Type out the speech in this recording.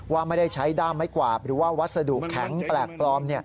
ว่าไม่ได้ใช้ด้ามไม้กวาดหรือว่าวัสดุแข็งแปลกปลอม